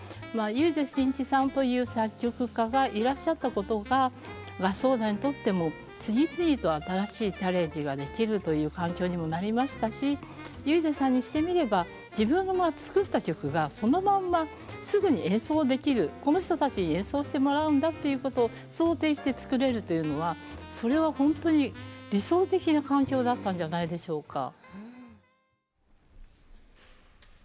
まあ唯是震一さんという作曲家がいらっしゃったことが合奏団にとっても次々と新しいチャレンジができるという環境にもなりましたし唯是さんにしてみれば自分が作った曲がそのまんますぐに演奏できるこの人たちに演奏してもらうんだっていうことを想定して作れるというのはそれは本当に理想的な環境だったんじゃないでしょうか。